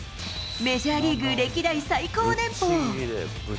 メジャーリーグ歴代最高年俸。